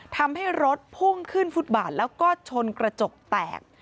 ทำให้รถพุ่งขึ้นฟุตบาทแล้วก็ชนกระจกแตก